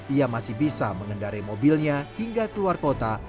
ia masih bisa mengendari mobilnya hingga keluar kota